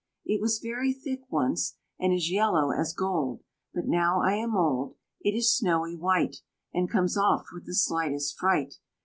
It was very thick once, and as yellow as gold; But now I am old, It is snowy white, And comes off with the slightest fright.